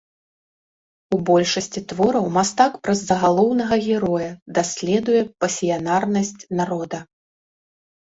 У большасці твораў мастак праз загалоўнага героя даследуе пасіянарнасць народа.